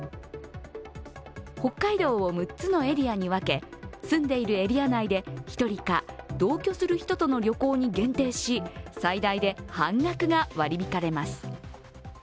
北海道を６つのエリアに分け住んでいるエリア内で１人か、同居する人との旅行に限定し最大で半額が割り引かれます。